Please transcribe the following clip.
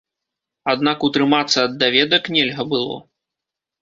Аднак утрымацца ад даведак нельга было.